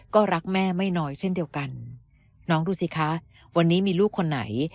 ก็รักแม่ไม่น้อยเช่นเดียวกันน้องดูสิคะวันนี้มีลูกคนไหน